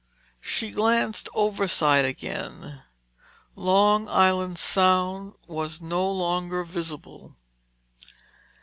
She glanced overside again. Long Island Sound was no longer visible.